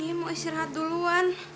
nih mau istirahat dulu wan